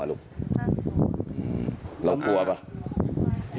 ลูกวิ่งทันไหม